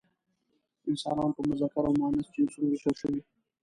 انسانان په مذکر او مؤنث جنسونو ویشل شوي.